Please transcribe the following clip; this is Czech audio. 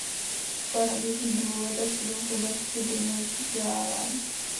Škola nabízí dvouleté studium v oblasti denního vzdělávání.